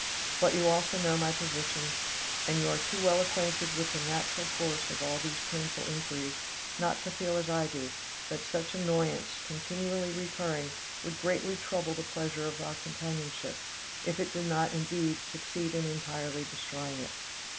But you also know my position, and you are too well acquainted with the natural course of all these painful inquiries, not to feel as I do, that such annoyance, continually recurring, would greatly trouble the pleasure of our companionship, if it did not indeed succeed in entirely destroying it.